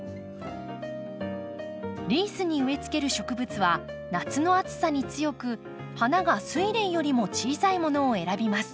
リースに植えつける植物は夏の暑さに強く花がスイレンよりも小さいものを選びます。